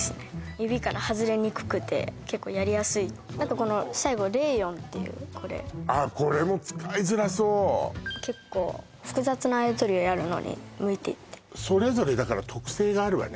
指から外れにくくて結構やりやすい何かこの最後レーヨンっていうこれああこれも使いづらそう結構複雑なあやとりをやるのに向いていてそれぞれだから特性があるわね